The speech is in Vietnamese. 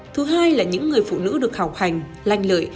thứ hai là những người phụ nữ được học hành lanh lợi